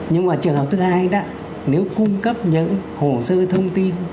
nhưng mà trường hợp thứ hai đó nếu cung cấp những hồ sơ thông tin